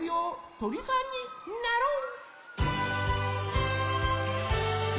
とりさんになろう。